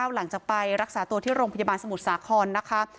หลังจากไปรักษาตัวที่โรงพยาบาลสมุทรสาครนะคะ